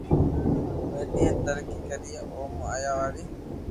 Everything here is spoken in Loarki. ودئي ھين ترقي ڪرئي او مون آيا واري